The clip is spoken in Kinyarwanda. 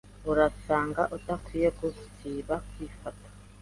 urasanga utagakwiye gusiba kugifata.